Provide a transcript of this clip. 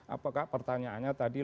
apakah pertanyaannya tadi